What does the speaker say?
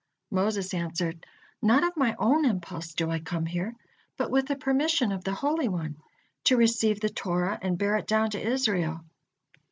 Moses answered: "Not of my own impulse do I come here, but with the permission of the Holy One, to receive the Torah and bear it down to Israel."